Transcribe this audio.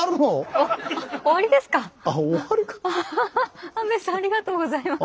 ありがとうございます。